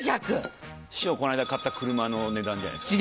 師匠この間買った車の値段じゃないですか？